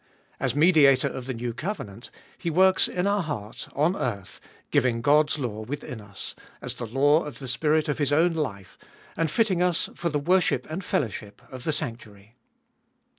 As Mediator of the new covenant, He works in our heart on earth, giving God's law within us, as the law of the Spirit of His own life, and fitting us for the worship and fellowship of the sanctuary.